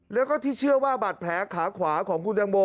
แล้วก็ที่เชื่อว่าบาดแผลขาขวาของคุณตังโม